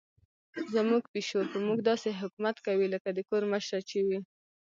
زموږ پیشو په موږ داسې حکومت کوي لکه د کور مشره چې وي.